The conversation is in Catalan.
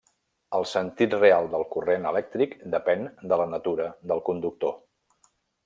El sentit real del corrent elèctric depèn de la natura del conductor.